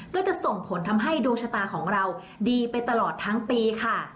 ก็จะส่งผลทำให้ดวงชะตาของเราดีไปตลอดทั้งปีค่ะ